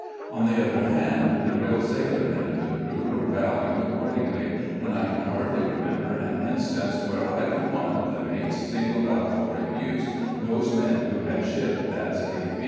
On the other hand, the real sailor men of the crew were valued accordingly, and I can hardly remember an instance where either one of the mates singled out for abuse those men who had shipped as A.